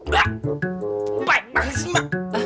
baik banget semua